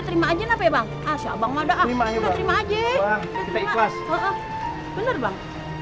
iya bang bener bang